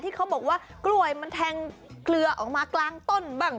เขาบอกว่ากล้วยมันแทงเคลือออกมากลางต้นบ้าง